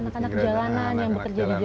jadi anak anak jalanan yang bekerja di jalan